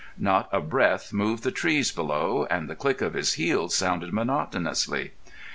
Not a breath moved the trees below, and the click of his heels sounded monotonously.